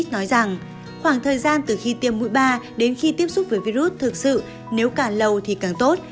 nói rằng khoảng thời gian từ khi tiêm mũi ba đến khi tiếp xúc với virus thực sự nếu càng lâu thì càng tốt